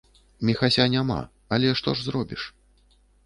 Міхася няма, але што ж зробіш?